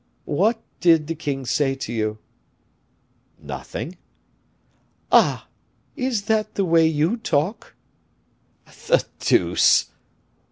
What did the king say to you?" "Nothing." "Ah! is that the way you talk?" "The deuce!"